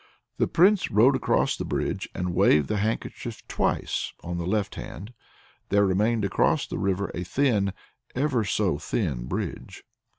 The Prince rode across the bridge and waved the handkerchief twice only on the left hand; there remained across the river a thin ever so thin a bridge!